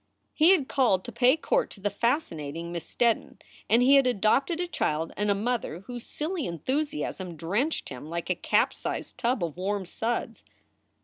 He had called to pay court to the fascinating Miss Steddon, and he had adopted a child and a mother whose silly enthusiasm drenched him like a capsized tub of warm suds.